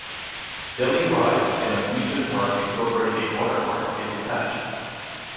Delhi Rides, an amusement park incorporating a water park, is attached.